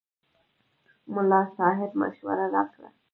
ملا صاحب مشوره راکړه.